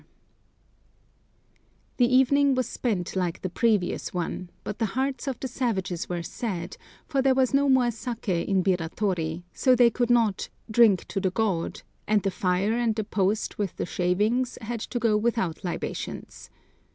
[Picture: Aino Store House] The evening was spent like the previous one, but the hearts of the savages were sad, for there was no more saké in Biratori, so they could not "drink to the god," and the fire and the post with the shavings had to go without libations.